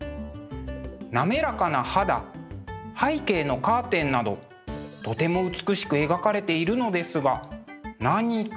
滑らかな肌背景のカーテンなどとても美しく描かれているのですが何か。